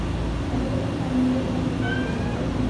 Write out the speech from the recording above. El sector originalmente era habitado por el pueblo Huilliche.